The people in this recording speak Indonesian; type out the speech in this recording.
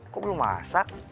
kok belum masak